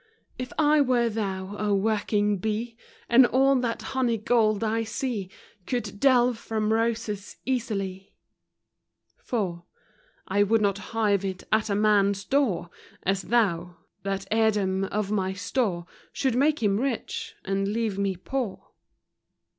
If I were thou, O working bee, And all that honey gold I see Could delve from roses easily; IV. I would not hive it at man's door, As thou, — that heirdom of my store Should make him rich, and leave me poor.